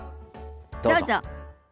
どうぞ。